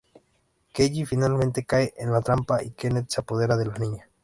Kelly finalmente cae en la trampa y Kenneth se apodera de la niña.